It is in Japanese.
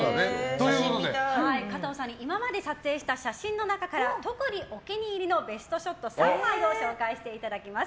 加藤さんに今までに撮影した写真の中から、特にお気に入りのベストショット３枚を紹介していただきます。